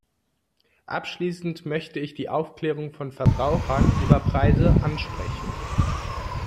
Abschließend möchte ich die Aufklärung von Verbrauchern über Preise ansprechen.